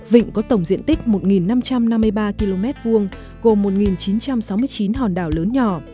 vịnh có tổng diện tích một năm trăm năm mươi ba km hai gồm một chín trăm sáu mươi chín hòn đảo lớn nhỏ